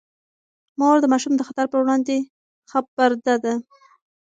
مور د ماشوم د خطر پر وړاندې خبرده ده.